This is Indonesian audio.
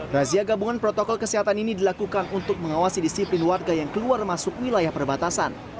razia gabungan protokol kesehatan ini dilakukan untuk mengawasi disiplin warga yang keluar masuk wilayah perbatasan